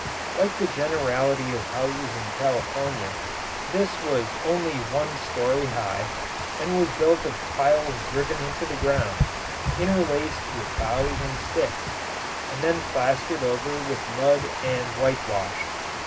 Like the generality of houses in California, this was only one story high, and was built of piles driven into the ground, interlaced with boughs and sticks, and then plastered over with mud and whitewashed.